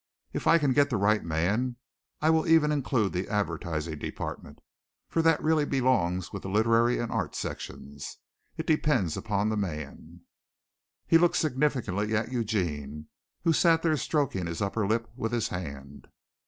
If I can get the right man I will even include the advertising department, for that really belongs with the literary and art sections. It depends on the man." He looked significantly at Eugene, who sat there stroking his upper lip with his hand.